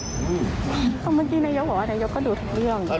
ก็เมื่อกี้นายกก็บอกว่านายกก็รู้ทุกเรื่อง